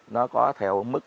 nó có theo mức